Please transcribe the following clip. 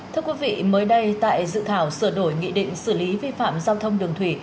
thưa quý vị mới đây tại dự thảo sửa đổi nghị định xử lý vi phạm giao thông đường thủy